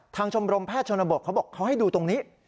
ชมรมแพทย์ชนบทเขาบอกเขาให้ดูตรงนี้